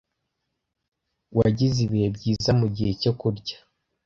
Wagize ibihe byiza mugihe cyo kurya?